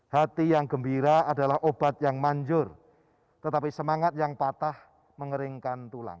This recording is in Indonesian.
hati yang gembira adalah obat yang manjur tetapi semangat yang patah mengeringkan tulang